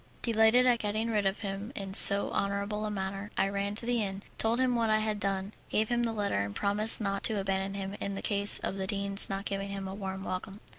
Delighted at getting rid of him in so honourable a manner, I ran to the inn, told him what I had done, gave him the letter, and promised not to abandon him in the case of the dean's not giving him a warm welcome.